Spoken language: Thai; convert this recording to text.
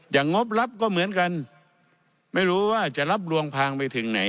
งบรับก็เหมือนกันไม่รู้ว่าจะรับลวงพางไปถึงไหน